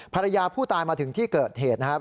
ภรรยาผู้ตายมาถึงที่เกิดเหตุนะครับ